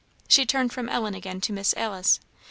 She turned from Ellen again to Miss Alice.